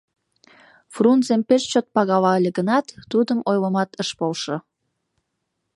Фрунзем пеш чот пагала ыле гынат, тудым ойлымат ыш полшо.